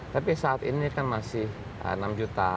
tapi saat ini kan masih enam juta